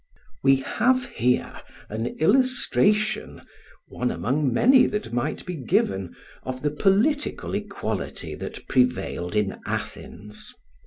] We have here an illustration, one among many that might be given, of the political equality that prevailed in Athens.